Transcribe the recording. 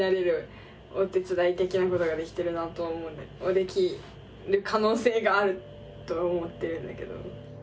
できる可能性があると思っているんだけど。